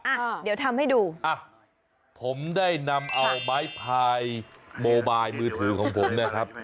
อ่ะเดี๋ยวทำให้ดูอ่ะผมได้นำเอาไม้พายโมบายมือถือของผมเนี่ยครับ